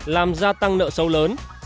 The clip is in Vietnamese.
làm gia tăng nợ sâu lớn